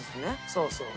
そうそう。